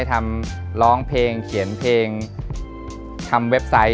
ทำร้องเพลงเขียนเพลงทำเว็บไซต์